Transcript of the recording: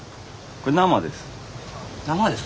これ生です。